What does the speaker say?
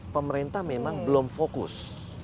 pemerintah memang belum fokus